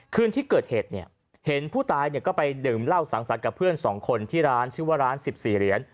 คืนที่เกิดเหตุเนี่ยเห็นผู้ตายก็ไปดื่มเหล้าสังสรรค์กับเพื่อน๒คนที่ร้านชื่อว่าร้าน๑๔เหรียญ